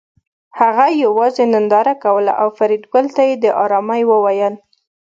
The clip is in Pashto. هغه یوازې ننداره کوله او فریدګل ته یې د ارامۍ وویل